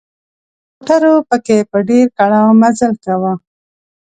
موټرو پکې په ډېر کړاو مزل کاوه.